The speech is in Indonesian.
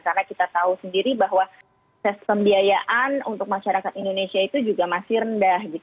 karena kita tahu sendiri bahwa akses pembiayaan untuk masyarakat indonesia itu juga masih rendah